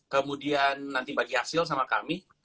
kemudian nanti bagi hasil sama kami